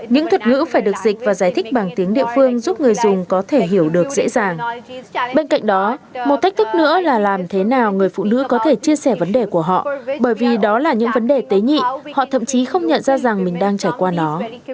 những thuật ngữ phải được dịch và giải thích bằng tiếng địa phương giúp người dùng có thể hiểu được dễ dàng bên cạnh đó một thách thức nữa là làm thế nào người phụ nữ có thể chia sẻ vấn đề của họ bởi vì đó là những vấn đề tế nhị họ thậm chí không nhận ra rằng mình đang trải qua nó